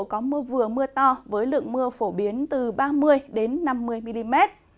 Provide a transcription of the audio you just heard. có mưa vừa mưa to với lượng mưa phổ biến từ ba mươi năm mươi mm